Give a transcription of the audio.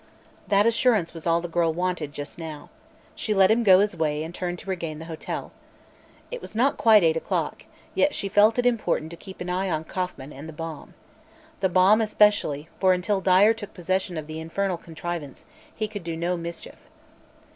That assurance was all the girl wanted, just now. She let him go his way and turned to regain the hotel. It was not quite eight o'clock, yet she felt it important to keep an eye on Kauffman and the bomb. The bomb, especially, for until Dyer took possession of the infernal contrivance he could do no mischief.